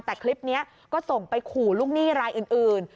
แต่คลิปนี้ก็ส่งไปขู่ลูกหนี้รายอื่น